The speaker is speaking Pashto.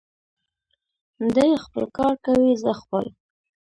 دی خپل کار کوي، زه خپل.